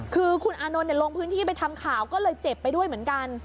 คือคุณอานนท์ลงพื้นที่ไปทำข่าวก็เลยเจ็บไปด้วยเหมือนกัน